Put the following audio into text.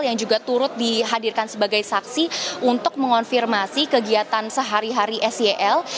yang juga turut dihadirkan sebagai saksi untuk mengonfirmasi kegiatan sehari hari sel